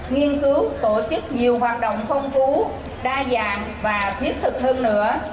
nghiên cứu tổ chức nhiều hoạt động phong phú đa dạng và thiết thực hơn nữa